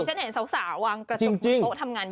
ฉันเห็นสาวสาววางกระจกบนโต๊ะทำงานเยอะ